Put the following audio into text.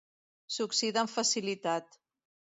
S'oxida amb facilitat.